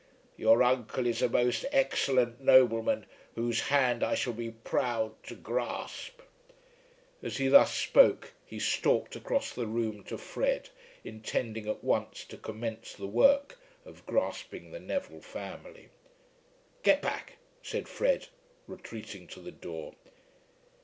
Your uncle is a most excellent nobleman whose hand I shall be proud to grasp." As he thus spoke he stalked across the room to Fred, intending at once to commence the work of grasping the Neville family. "Get back," said Fred, retreating to the door.